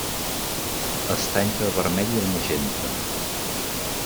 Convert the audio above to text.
Està entre el vermell i el magenta.